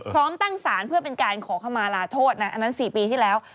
พร้อมตั้งสารเพื่อเป็นการขอขมาลาโทษนะอันนั้น๔ปีที่แล้ว